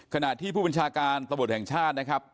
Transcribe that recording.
ขณะที่ผู้บัญชาการตำรวจแห่งชาตินะครับ